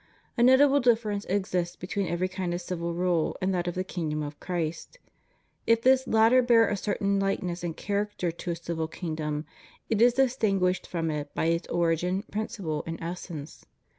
A notable difference exists between every kind of civil rule and that of the kingdom of Christ. If this latter bear a certain likeness and character to a civil kingdom, it is distinguished from it by its origin, principle, and essence.